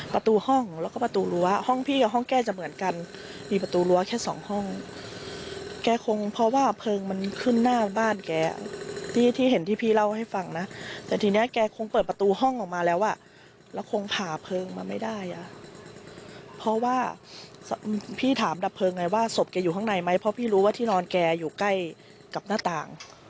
พอพี่รู้ว่าที่นอนไงอยู่ใกล้กับหน้าต่าง